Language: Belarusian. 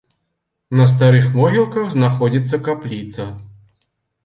На старых могілках знаходзіцца капліца.